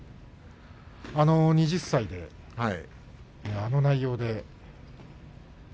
２０歳であの内容で。